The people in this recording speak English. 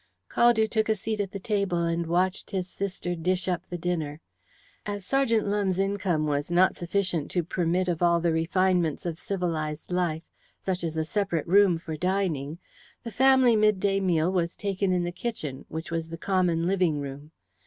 Caldew took a seat at the table, and watched his sister dish up the dinner. As Sergeant Lumbe's income was not sufficient to permit of all the refinements of civilized life, such as a separate room for dining, the family midday dinner was taken in the kitchen, which was the common living room.